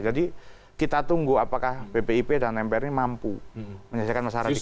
jadi kita tunggu apakah bpip dan mpr ini mampu menyelesaikan masalah radikalisme